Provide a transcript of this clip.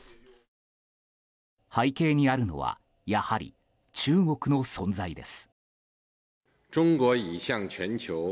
背景にあるのはやはり中国の存在です。